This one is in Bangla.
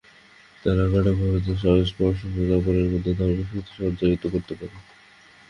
তাঁরা কটাক্ষে বা স্পর্শমাত্রে অপরের মধ্যে ধর্মশক্তি সঞ্চারিত করতে পারেন।